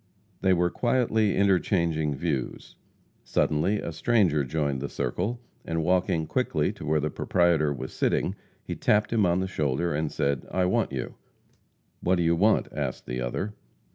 They were quietly interchanging views. Suddenly a stranger joined the circle, and, walking quickly to where the proprietor was sitting, he tapped him on the shoulder and said: "I want you." "What do you want?" asked the other.